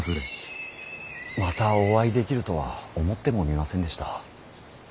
またお会いできるとは思ってもみませんでした。